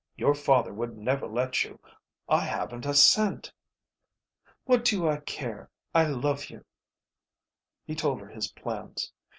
Your father would never let you. I haven't a cent." "What do I care? I love you." He told her his plans.